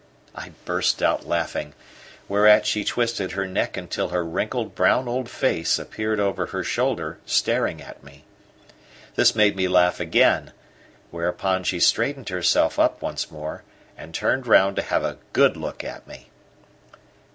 I burst out laughing; whereat she twisted her neck until her wrinkled, brown old face appeared over her shoulder staring at me. This made me laugh again, whereupon she straightened herself up once more and turned round to have a good look at me.